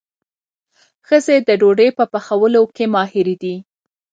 ښځې د ډوډۍ په پخولو کې ماهرې دي.